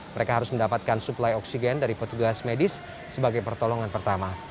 mereka harus mendapatkan suplai oksigen dari petugas medis sebagai pertolongan pertama